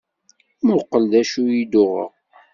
Mmuqqel d acu i d-uɣeɣ.